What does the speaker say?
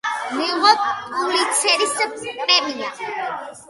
მიიღო პულიცერის პრემია.